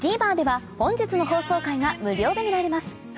ＴＶｅｒでは本日の放送回が無料で見られます